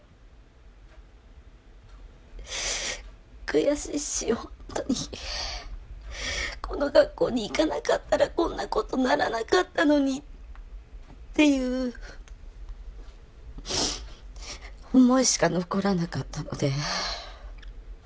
悔しいし本当にこの学校に行かなかったらこんなことにならなかったのにっていう思いしか残らなかったので。